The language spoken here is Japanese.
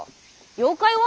妖怪は？